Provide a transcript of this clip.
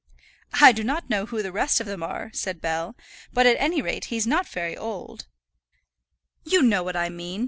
"I do not know who the rest of them are," said Bell, "but at any rate he's not very old." "You know what I mean.